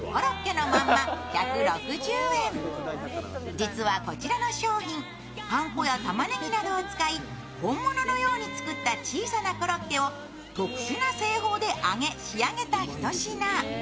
実はこちらの商品、パン粉やたまねぎなどを使い本物のように作った小さなコロッケを特殊な製法で揚げ、仕上げた一品。